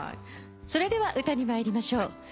それでは歌に参りましょう。